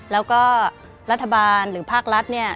แล้วก็รัฐบาลหรือภาครัฐเนี่ย